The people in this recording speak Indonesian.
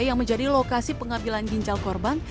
yang menjadi lokasi pengambilan ginjal korban